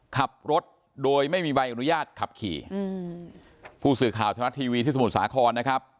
ขับรถโดยไม่มีใบอนุญาตขับขี่อืมผู้สื่อข่าวทรัฐทีวีที่สมุทรสาครนะครับ